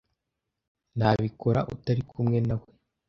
nabikora utari kumwe nawe.